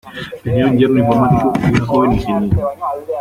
Tenía un yerno informático y una joven ingeniera.